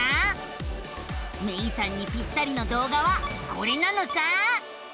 めいさんにぴったりの動画はこれなのさ。